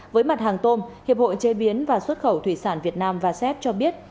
với mặt hàng tôm hiệp hội chế biến và xuất khẩu thủy sản việt nam và sep cho biết